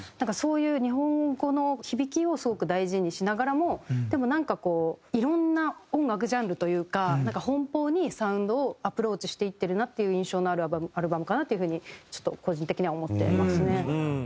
そういう日本語の響きをすごく大事にしながらもでもなんかこういろんな音楽ジャンルというか奔放にサウンドをアプローチしていってるなっていう印象のあるアルバムかなっていう風にちょっと個人的には思ってますね。